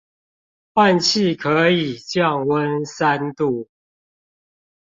換氣可以降溫三度